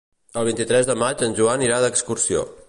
El vint-i-tres de maig en Joan irà d'excursió.